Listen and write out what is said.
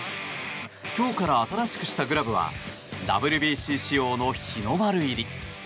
今日から新しくしたグラブはＷＢＣ仕様の日の丸入り。